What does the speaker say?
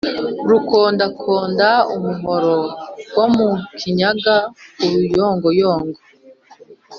Rukondakonda umuhoro wo mu Kinyaga-Uruyongoyongo.